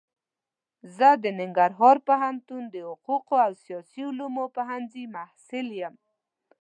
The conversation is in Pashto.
زه د ننګرهار پوهنتون د حقوقو او سیاسي علومو پوهنځي محصل يم.